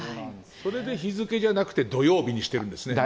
それで日付じゃなくて土曜日にしているんですね。